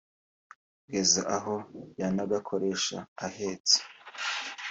kugeza aho yanagakoresha ahetse